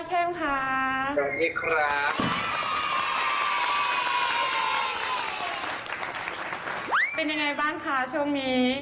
เป็นยังไงบ้างคะช่วงนี้